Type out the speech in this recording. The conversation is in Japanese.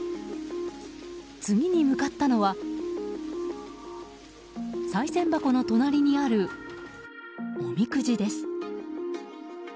次に向かったのはさい銭箱の隣にあるおみくじです。